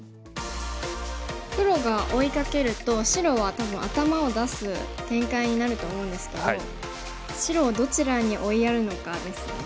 黒が追いかけると白は多分頭を出す展開になると思うんですけど白をどちらに追いやるのかですよね。